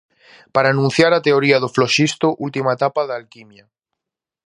Para enunciar a teoría do floxisto, última etapa da alquimia.